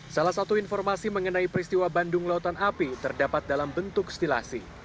salah satu informasi mengenai peristiwa bandung lautan api terdapat dalam bentuk stilasi